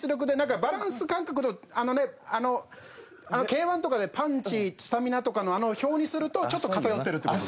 バランス感覚のあのＫ−１とかでパンチスタミナとかのあの表にするとちょっと偏ってるって事だ。